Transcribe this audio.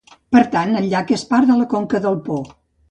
Per tant, el llac és part de la conca del Po.